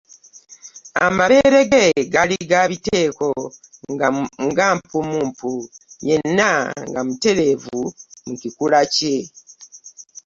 Amabeere ge gaali ga biteeko ga mpummumpu yenna nga mutereevu mu kikula kye.